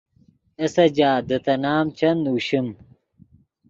اے سجاد دے تے نام چند نوشیم۔